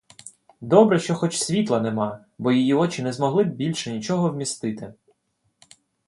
Добре, що хоч світла нема, бо її очі не змогли б більше нічого вмістити.